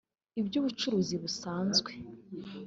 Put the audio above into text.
iby’ubucuruzi busanzwe